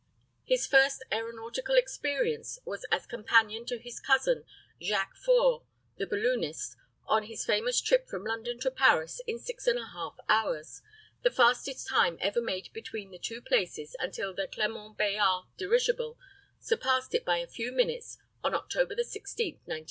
His first aeronautical experience was as companion to his cousin, Jacques Faure, the balloonist, on his famous trip from London to Paris in 6½ hours, the fastest time ever made between the two places until the Clement Bayard dirigible surpassed it by a few minutes on October 16, 1910.